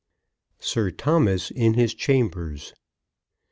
SIR THOMAS IN HIS CHAMBERS.